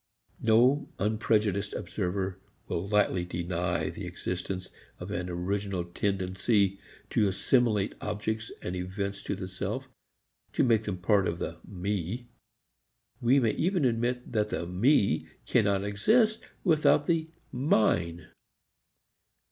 No unprejudiced observer will lightly deny the existence of an original tendency to assimilate objects and events to the self, to make them part of the "me." We may even admit that the "me" cannot exist without the "mine."